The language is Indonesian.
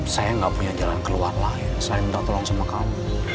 saya nggak punya jalan keluar lah saya minta tolong sama kamu